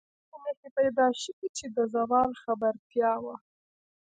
خو داسې نښې پیدا شوې چې د زوال خبرتیا وه.